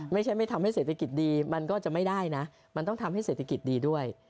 ไม่ใช่ไม่ทำให้เศรษฐกิจดีมันก็จะไม่ได้นะมันต้องทำให้เศรษฐกิจดีด้วย